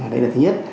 đấy là thứ nhất